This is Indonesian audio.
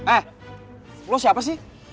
eh lo siapa sih